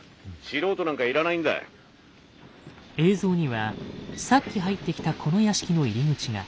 映像にはさっき入ってきたこの屋敷の入り口が。